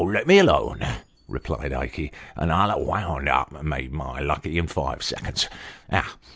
" Let me alone," replied Ikey, " and I'll ha' vonnd up, and made my lucky in five seconds.